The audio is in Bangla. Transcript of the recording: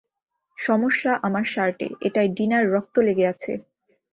সমস্যা আমার শার্টে, এটায় ডিনার রক্ত লেগে আছে!